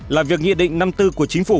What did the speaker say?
là việc nghị định năm mươi bốn của chính phủ